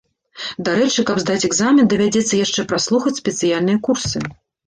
Дарэчы, каб здаць экзамен давядзецца яшчэ праслухаць спецыяльныя курсы.